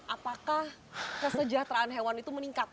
apakah kesejahteraan hewan itu meningkat